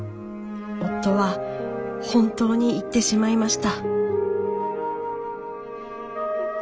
夫は本当に逝ってしまいました。